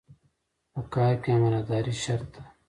په کار کې امانتداري شرط ده.